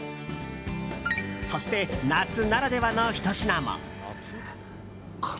そして、夏ならではのひと品も。